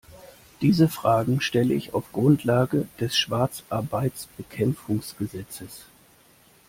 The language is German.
Diese Fragen stelle ich auf Grundlage des Schwarzarbeitsbekämpfungsgesetzes.